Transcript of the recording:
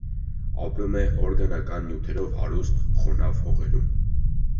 Ապրում է օրգանական նյութերով հարուստ, խոնավ հողերում։